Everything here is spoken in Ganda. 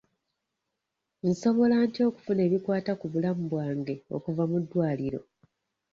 Nsobola ntya okufuna ebikwata ku bulamu bwange okuva mu ddwaliro?